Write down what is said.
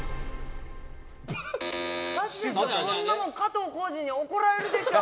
そんなもん加藤浩次に怒られるでしょ